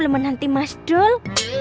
lemah nanti mas dul